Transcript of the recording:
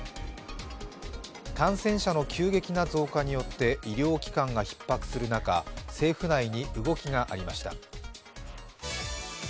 感染者の急激な増加によって医療機関がひっ迫する中、政府内に動きがありました。